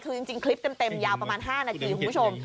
คือจริงคลิปเต็มยาวประมาณ๕นาทีคุณผู้ชม